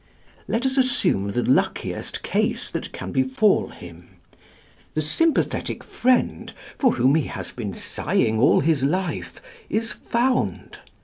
"Let us assume the luckiest case that can befall him. The sympathetic friend, for whom he has been sighing all his life, is found.